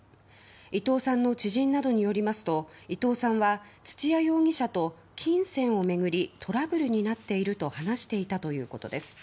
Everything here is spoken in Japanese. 伊藤さんの知人などによりますと伊藤さんは土屋容疑者と金銭を巡りトラブルになっていると話していたということです。